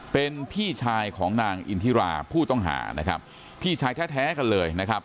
เป็นพี่ชายของนางอินทิราผู้ต้องหานะครับพี่ชายแท้กันเลยนะครับ